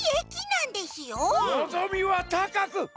のぞみはたかく！